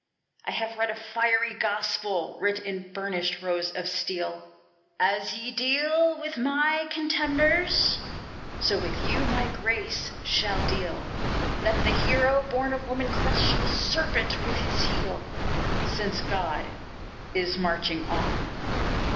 I have read a fiery gospel, writ in burnished rows of steel: "As ye deal with my contemners, so with you my grace shall deal; Let the Hero, born of woman, crush the serpent with his heel, Since God is marching on."